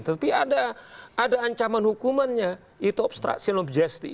tetapi ada ancaman hukumannya yaitu obstruction of justice